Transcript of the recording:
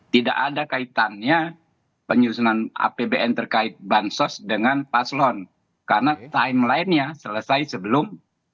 tidak ada kaitannya penyusunan apbn terkait bansos dengan paslon karena timeline nya selesai sebelum